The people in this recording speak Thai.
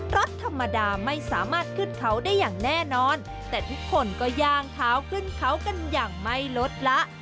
รถธรรมดาไม่สามารถขึ้นเขาได้อย่างแน่นอนแต่ทุกคนก็ย่างเท้าขึ้นเขากันอย่างไม่ลดละ